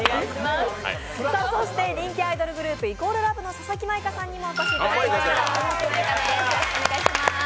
人気アイドルグループ＝ＬＯＶＥの佐々木舞香さんにもお越しいただきました。